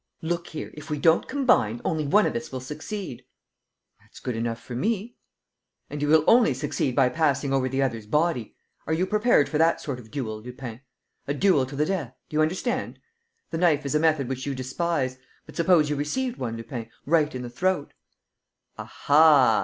"Look here! If we don't combine, only one of us will succeed." "That's good enough for me." "And he will only succeed by passing over the other's body. Are you prepared for that sort of duel, Lupin? A duel to the death, do you understand? ... The knife is a method which you despise; but suppose you received one, Lupin, right in the throat?" "Aha!